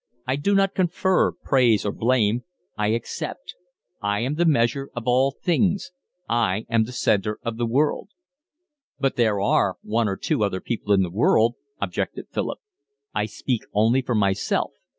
I do not confer praise or blame: I accept. I am the measure of all things. I am the centre of the world." "But there are one or two other people in the world," objected Philip. "I speak only for myself.